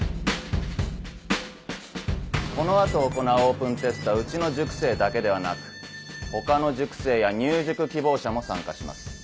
この後行うオープンテストはうちの塾生だけではなく他の塾生や入塾希望者も参加します。